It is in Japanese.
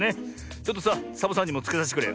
ちょっとさサボさんにもつけさせてくれよ。